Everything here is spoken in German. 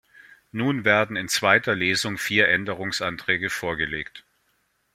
Nun werden in zweiter Lesung vier Änderungsanträge vorgelegt.